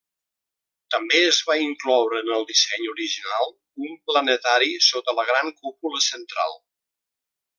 També es va incloure en el disseny original un planetari sota la gran cúpula central.